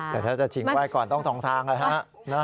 แต่ถ้าจะทิ้งว่ายก่อนต้องสองทางเลยฮะ